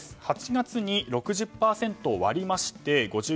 ８月に６０％を割りまして５４．３％。